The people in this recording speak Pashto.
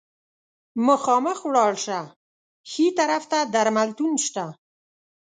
مخامخ ولاړ شه، ښي طرف ته درملتون شته.